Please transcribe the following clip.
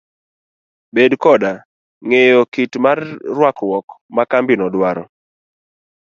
Bed koda ng'eyo mar kit rwakruok ma kambino dwaro.